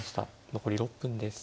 残り６分です。